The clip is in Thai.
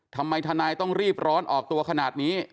ทำไมทนายต้องรีบร้อนออกตัวขนาดนี้